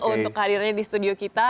untuk hadirnya di studio kita